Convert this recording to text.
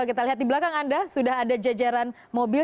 kita lihat di belakang anda sudah ada jajaran mobil